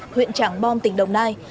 huyện trảng bom tỉnh đồng nai